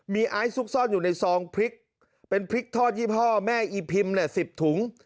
มีไอซ์ซุกซ่อนอยู่ในซองพริกเป็นพริกทอดยี่ห้อแม่อีพิมพ์๑๐ถุง